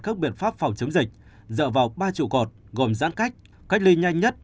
các biện pháp phòng chống dịch dựa vào ba trụ cột gồm giãn cách cách ly nhanh nhất